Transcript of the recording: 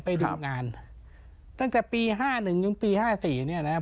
ไปดูงานตั้งแต่ปีห้าหนึ่งจนปีห้าสี่เนี่ยนะครับ